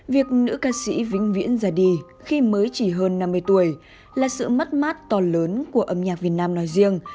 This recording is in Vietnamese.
việc nữ ca sĩ vĩnh viễn ra đi khi mới chỉ hơn năm mươi tuổi là sự mất mát to lớn của âm nhạc việt nam nói riêng